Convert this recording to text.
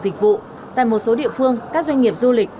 dịch vụ tại một số địa phương các doanh nghiệp du lịch